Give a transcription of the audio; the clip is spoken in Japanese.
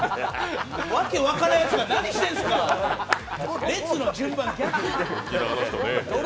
訳分からんやつが、何してるんですかって、列の順番、逆。